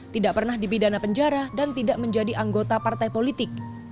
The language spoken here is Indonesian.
tidak pernah dipidana penjara dan tidak menjadi anggota partai politik